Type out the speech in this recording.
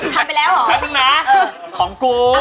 ทำไปแล้วเหรอแป๊บนึงนะของกู